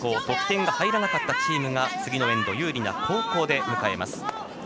得点が入らなかったチームが次のエンド有利な後攻で迎えます。